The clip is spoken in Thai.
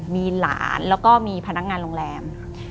มีหลานแล้วก็มีพนักงานโรงแรม